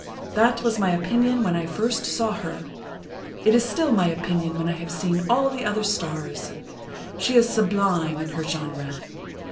That was my opinion when I first saw her. It is still my opinion when I have seen all the other stars. She is sublime in her genre."